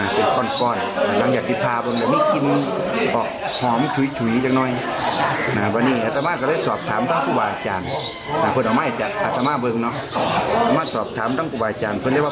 เป็นก้อนทางอังเหยกฤพาบนแต่มีกินออกหอมถุ๋ยอย่างน้อย